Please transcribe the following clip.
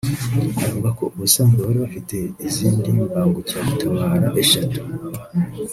avuga ko ubusanzwe bari bafite izindi mbangukiragutabara eshatu